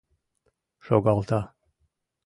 Шогалта.